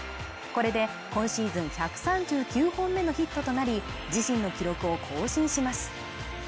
これで今シーズン１３９本目のヒットとなり自身の記録を更新します